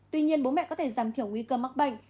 tuy nhiên bố mẹ có thể giảm thiểu nguy cơ mắc bệnh